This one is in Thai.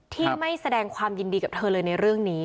ที่ไม่แสดงความยินดีกับเธอเลยในเรื่องนี้